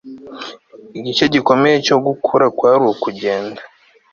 igice gikomeye cyo gukura kwari ukugenda